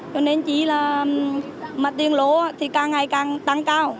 cho nên chỉ là tiền lỗ thì càng ngày càng tăng cao